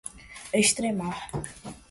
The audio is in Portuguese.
estremar